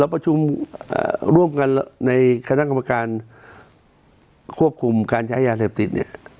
ประชุมร่วมกันในคณะกรรมการควบคุมการใช้ยาเสพติดเนี่ย